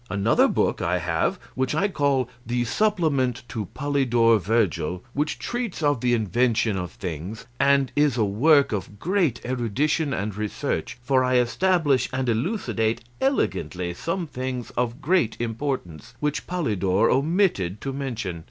Another book I have which I call 'The Supplement to Polydore Vergil,' which treats of the invention of things, and is a work of great erudition and research, for I establish and elucidate elegantly some things of great importance which Polydore omitted to mention.